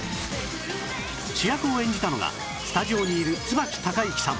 主役を演じたのがスタジオにいる椿隆之さん